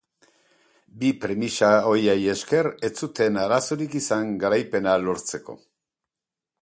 Bi premisa horiei esker ez zuten arazorik izan garaipena lortzeko.